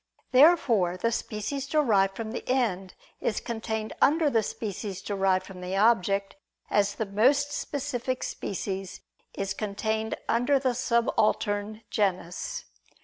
Therefore the species derived from the end is contained under the species derived from the object, as the most specific species is contained under the subaltern genus.